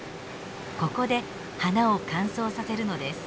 ここで花を乾燥させるのです。